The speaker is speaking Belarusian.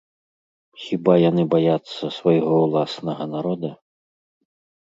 Хіба яны баяцца свайго ўласнага народа?